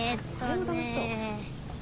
あれも楽しそう。